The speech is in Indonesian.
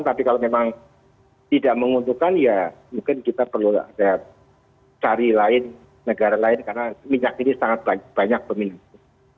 tapi kalau memang tidak menguntungkan ya mungkin kita perlu ada cari lain negara lain karena minyak ini sangat banyak peminatnya